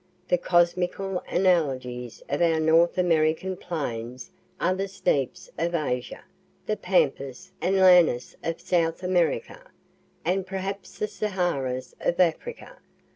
The cosmical analogies of our North American plains are the Steppes of Asia, the Pampas and Llanos of South America, and perhaps the Saharas of Africa.